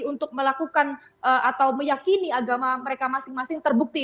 untuk melakukan atau meyakini agama mereka masing masing terbukti